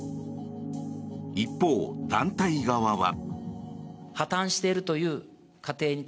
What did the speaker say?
一方、団体側は。